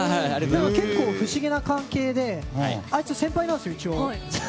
結構、不思議な関係であいつ先輩なんですよ、一応。